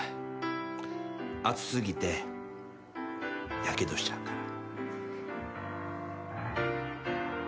熱すぎてやけどしちゃうから。